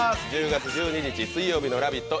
１０月１２日水曜日の「ラヴィット！」